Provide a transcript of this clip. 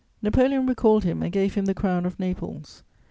Napoleon recalled him and gave him the Crown of Naples.